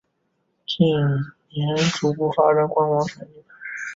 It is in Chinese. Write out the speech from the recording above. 近年逐步发展观光产业。